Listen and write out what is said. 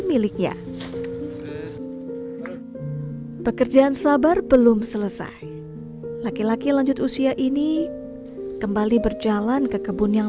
miliknya pekerjaan sabar belum selesai laki laki lanjut usia ini kembali berjalan ke kebun yang